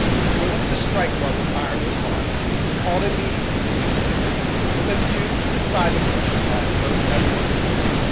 Willing to strike while the iron was hot, he called a meeting, through the newspaper, with a view to decide the question by a vote at once.